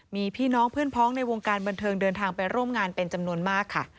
มีพี่น้องเพื่อนพ้องในวงการบันเทิงเดินทางไปร่วมงานเป็นจำนวนมากค่ะ